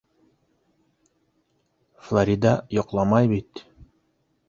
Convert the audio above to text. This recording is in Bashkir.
Флорида йоҡламай бит.